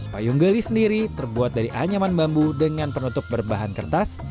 payung geli sendiri terbuat dari anyaman bambu dengan penutup berbahan kertas